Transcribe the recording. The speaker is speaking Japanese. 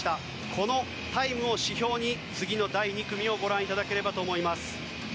このタイムを指標に次の第２組をご覧いただければと思います。